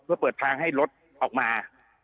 เพื่อเปิดทางให้รถออกมา